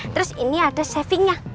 terus ini ada savingnya